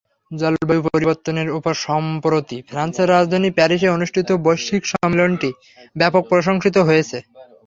জলবায়ু পরিবর্তনের ওপর সম্প্রতি ফ্রান্সের রাজধানী প্যারিসে অনুষ্ঠিত বৈশ্বিক সম্মেলনটি ব্যাপক প্রশংসিত হয়েছে।